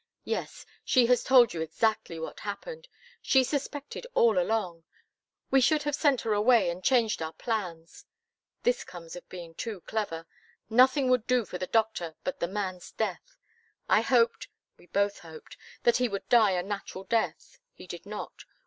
Yes; she has told you exactly what happened. She suspected all along. We should have sent her away and changed our plans. This comes of being too clever. Nothing would do for the doctor but the man's death. I hoped we both hoped that he would die a natural death. He did not.